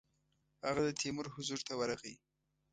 هغه د تیمور حضور ته ورغی.